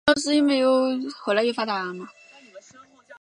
范睢肋骨介为粗面介科肋骨介属下的一个种。